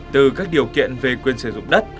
từ các điều kiện về quyền sử dụng đất